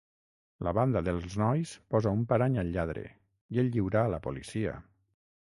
La banda dels nois posa un parany al lladre, i el lliura a la policia.